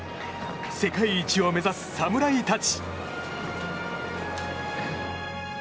世界一を目指す侍たち！